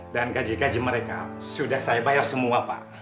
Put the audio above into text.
dan gaji gaji mereka sudah saya bayar semua pak